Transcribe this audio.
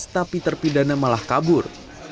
tapi terpidana malah kabur